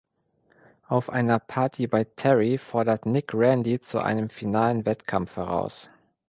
Auf einer Party bei Terry fordert Nick Randy zu einem finalen Wettkampf heraus.